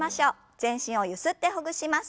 全身をゆすってほぐします。